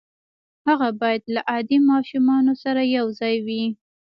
هغه بايد له عادي ماشومانو سره يو ځای وي.